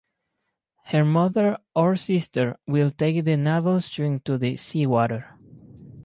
Her mother or sister will take the navel-string to the seawater.